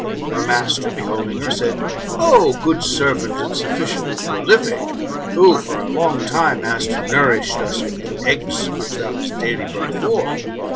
Her master, beholding her, said, "O good servant, and suffr ciently prolific, who, for a long time, hast nourished us with the eggs which thou hast daily brou^^t forth